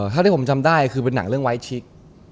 เท่าที่ผมจำได้คือเป็นหนังเรื่องไวชิค